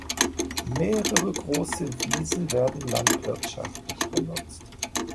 Mehrere große Wiesen werden landwirtschaftlich genutzt.